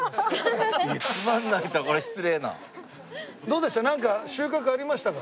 どうでした？